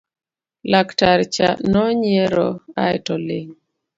laktar cha nonyiero aeto oling'